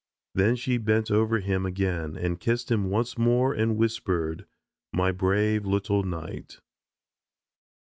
Then she bent over him again and kissed him once more and whispered, "My brave little knight."